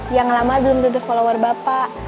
yang lama belum tutup follower bapak